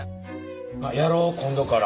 やろう今度から。